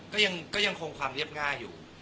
ก็ยังคงความเรียบง่ายอยู่